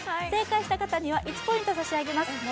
正解した方には１ポイントさしあげます。